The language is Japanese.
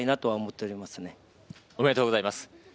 おめでとうございます。